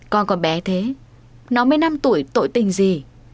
con còn bé thế nó mới năm tuổi tội tình gì